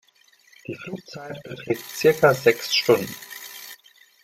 Die Flugzeit beträgt circa sechs Stunden.